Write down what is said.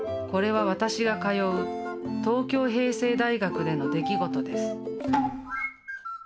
これは私が通う東京平成大学での出来事です。